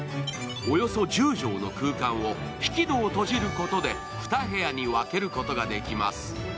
およそ１０畳の空間を、引き戸を閉じることで２部屋に分けることができます。